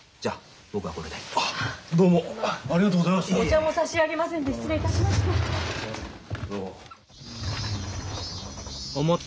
お茶も差し上げませんで失礼いたしました。